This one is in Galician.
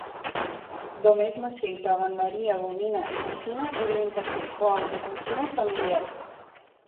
Do mesmo xeito a gandaría bovina e porcina oriéntase ao autoconsumo familiar.